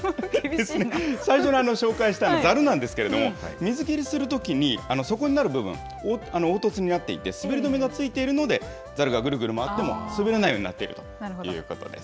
最初に紹介したざるなんですけれども、水切りするときに底になる部分、凹凸になっていて、滑り止めがついているので、ザルがぐるぐる回っても、滑らないようになっているということです。